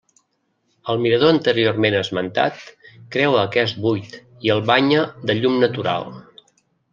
El mirador anteriorment esmentat creua aquest buit i el banya de llum natural.